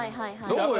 そうよ。